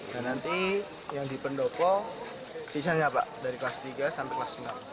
dan nanti yang di pendopo sisanya pak dari kelas tiga sampai kelas enam